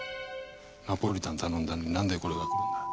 ナポリタン頼んだのになんでこれがくるんだ？